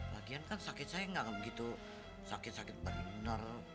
lagian kan sakit saya gak begitu sakit sakit bener